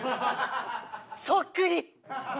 そっくり！